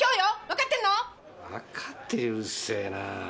わかってうっせえなぁ。